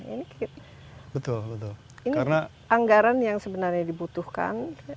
ini anggaran yang sebenarnya dibutuhkan